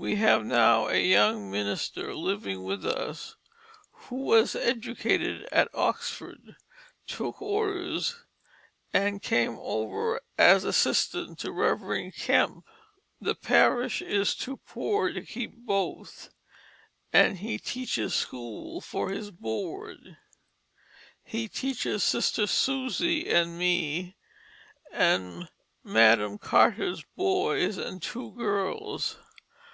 We have now a young minister living with us who was educated at Oxford, took orders and came over as assistant to Rev. Kemp. The parish is too poor to keep both, and he teaches school for his board. He teaches Sister Susie and me and Madam Carter's boy and two girls.